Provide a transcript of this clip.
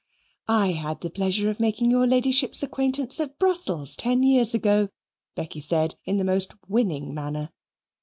"I had the pleasure of making your Ladyship's acquaintance at Brussels, ten years ago," Becky said in the most winning manner.